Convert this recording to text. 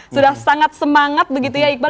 sudah sangat semangat begitu ya iqbal